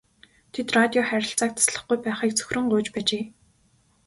Тэд радио харилцааг таслахгүй байхыг цөхрөн гуйж байжээ.